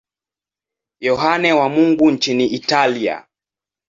Yohane wa Mungu nchini Italia.